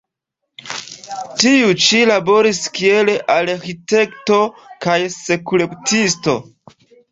Tiu ĉi laboris kiel arĥitekto kaj skulptisto.